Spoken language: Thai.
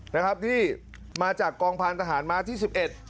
นี่มาจากกองพลานทหารมาที่๑๑